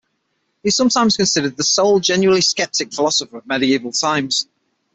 He is sometimes considered the sole genuinely skeptic philosopher of medieval times.